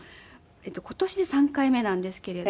今年で３回目なんですけれど。